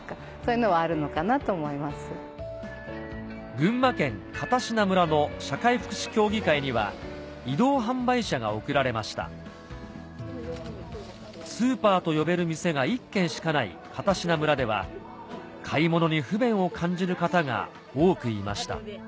群馬県片品村の社会福祉協議会には移動販売車が贈られましたスーパーと呼べる店が１軒しかない片品村では買い物に不便を感じる方が多くいました